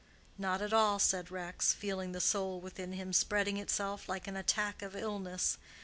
"Not at all," said Rex, feeling the soul within him spreading itself like an attack of illness.